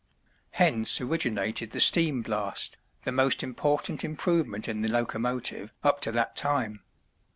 Hence originated the steam blast, the most important improvement in the locomotive up to that time.